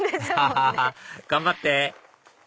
ハハハハ頑張って！